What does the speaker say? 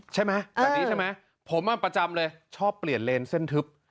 ใช่ไหมผมประจำเลยชอบเปลี่ยนเลนเส้นทึบ